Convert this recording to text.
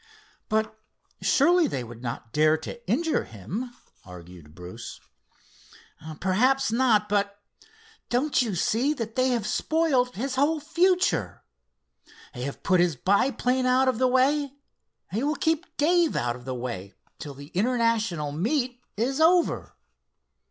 "But surely they would not dare to injure him," argued Bruce. "Perhaps not, but don't you see that they have spoiled his whole future? They have put his biplane out of the way—they will keep Dave out of the way till the International meet is over."